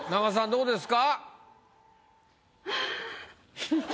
どうですか？